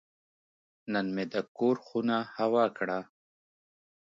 نن مې د کور خونه هوا کړه.